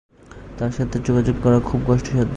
তাঁর সাথে যোগাযোগ করা খুব কষ্টসাধ্য।